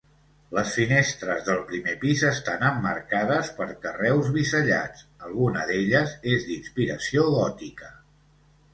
Les finestres del primer pis estan emmarcades per carreus bisellats, alguna d'elles és d'inspiració gòtica.